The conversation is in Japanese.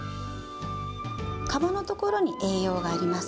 皮のところに栄養があります。